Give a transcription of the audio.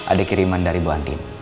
ada kiriman dari bu anti